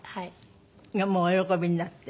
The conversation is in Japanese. もうお喜びになって？